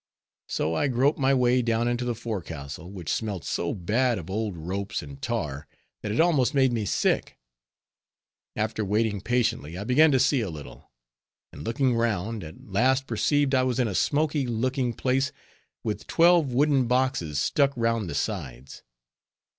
So I groped my way down into the forecastle, which smelt so bad of old ropes and tar, that it almost made me sick. After waiting patiently, I began to see a little; and looking round, at last perceived I was in a smoky looking place, with twelve wooden boxes stuck round the sides.